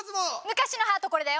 昔のハートこれだよ。